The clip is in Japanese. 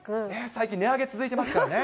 最近値上げ続いていますからね。